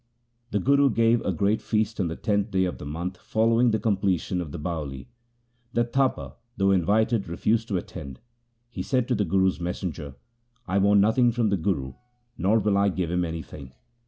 The Guru gave a great feast on the tenth day of the month following the completion of the Bawali. The Tapa, though invited, refused to attend. He said to the Guru's messenger, ' I want nothing from the Guru, nor will I give him anything.